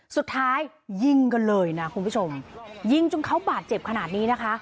สุดท้ายยิงกันเลยนะคุณผู้ชมยิงจนเขาบาดเจ็บขนาดนี้นะคะ